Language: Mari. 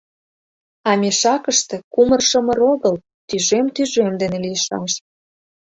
А мешакыште кумыр-шымыр огыл — тӱжем-тӱжем дене лийшаш.